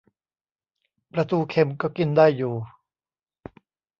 ปลาทูเค็มก็กินได้อยู่